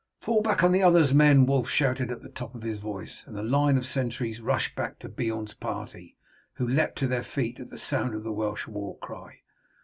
"Fall back on the others, men!" Wulf shouted at the top of his voice, and the line of sentries rushed back to Beorn's party, who leapt to their feet at the sound of the Welsh war cry.